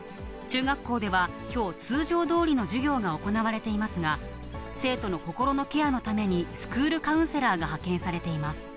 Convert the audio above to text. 中学校ではきょう、通常どおりの授業が行われていますが、生徒の心のケアのためにスクールカウンセラーが派遣されています。